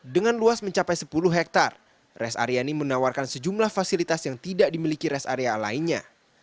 dengan luas mencapai sepuluh hektare rest area ini menawarkan sejumlah fasilitas yang tidak dimiliki res area lainnya